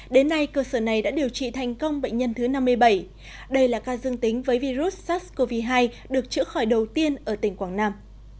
đến nay cơ sở này đã điều trị thành công bệnh nhân thứ năm mươi bảy đây là ca dương tính với virus sars cov hai được chữa khỏi đầu tiên ở tỉnh quảng nam